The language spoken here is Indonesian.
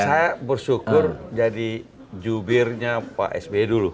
saya bersyukur jadi jubirnya pak sby dulu